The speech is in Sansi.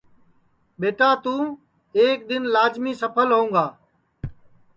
ٻیٹا توں ایک دؔن لاجمی سپھل ہوں گا